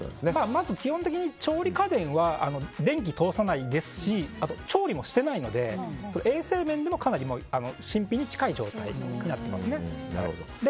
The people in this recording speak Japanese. まず基本的に調理家電は電気を通さないですし調理もしてないので衛生面でもかなり新品に近い状態になってますね。